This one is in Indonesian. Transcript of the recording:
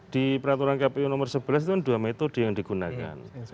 di peraturan kpu nomor sebelas itu dua metode yang digunakan